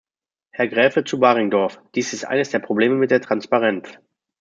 Herr Graefe zu Baringdorf, dies ist eines der Probleme mit der Transparenz.